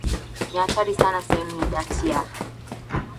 ni hatari sana Sehemu ya dart ya